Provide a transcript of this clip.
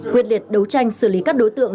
quyết liệt đấu tranh xử lý các đối tượng